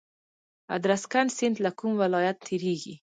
ادرسکن سیند له کوم ولایت تیریږي؟